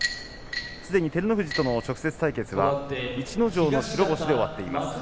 すでに照ノ富士との直接対決は逸ノ城が白星で終わっています。